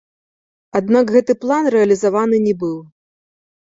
Аднак гэты план рэалізаваны не быў.